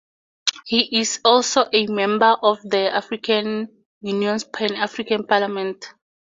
He is also a member of the African Union's Pan-African Parliament.